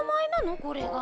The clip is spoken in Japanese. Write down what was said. これが？